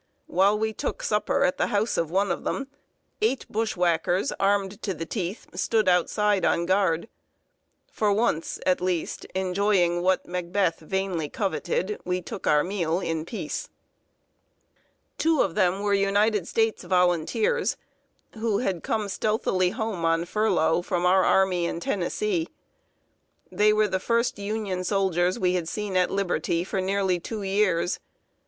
While we took supper at the house of one of them, eight bushwhackers, armed to the teeth, stood outside on guard. For once, at least, enjoying what Macbeth vainly coveted, we took our meal in peace. Two of them were United States volunteers, who had come stealthily home on furlough, from our army in Tennessee. They were the first Union soldiers we had seen at liberty for nearly two years.